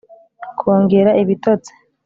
kongera ibitotsi